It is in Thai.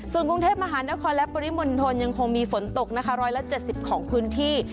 ส่วนกรุงเทพมหานครและปริมนธนยังคงมีฝนตกนะคะร้อยละเจ็ดสิบของพื้นที่